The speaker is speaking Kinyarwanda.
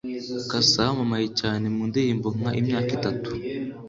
Cassa wamamaye cyane mu ndirimbo nka Imyaka itatu